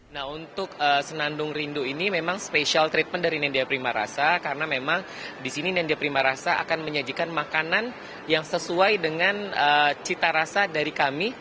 nah untuk senandung rindu ini memang special treatment dari nendia prima rasa karena memang di sini nendya prima rasa akan menyajikan makanan yang sesuai dengan cita rasa dari kami